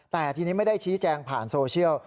แต่ทีนี้ไม่ได้ชี้แจงผ่านโซเชียล